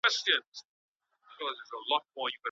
ولې ځايي واردوونکي ساختماني مواد له ایران څخه واردوي؟